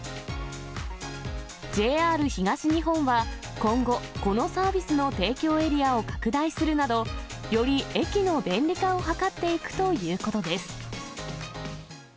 ＪＲ東日本は、今後、このサービスの提供エリアを拡大するなど、より駅の便利化を図っていくということです。